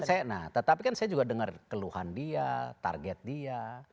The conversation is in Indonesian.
iya jadi kan saya nah tetapi kan saya juga dengar keluhan dia target dia